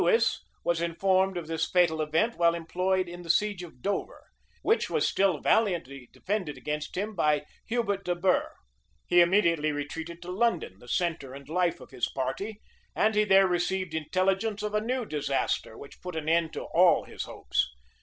p. 195. Prince Lewis was informed of this fatal event while employed in the siege of Dover, which was still valiantly defended against him by Hubert de Burgh. He immediately retreated to London, the centre and life of his party; and he there received intelligence of a new disaster, which put an end to all his hopes.